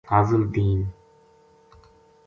فاضل دین